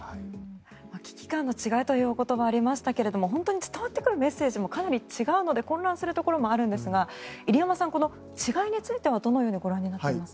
危機感の違いということがありましたが伝わってくるメッセージもかなり違うので混乱するところもあるんですが入山さんこの違いについてはどのようにご覧になっていますか。